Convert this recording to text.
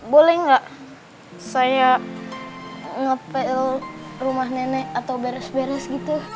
boleh nggak saya ngepel rumah nenek atau beres beres gitu